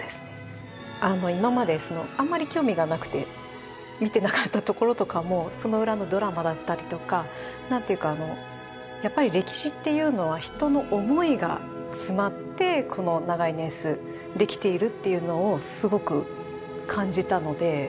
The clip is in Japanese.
今まであんまり興味がなくて見てなかったところとかもその裏のドラマだったりとか何ていうかやっぱり歴史っていうのは人の思いが詰まってこの長い年数できているっていうのをすごく感じたので。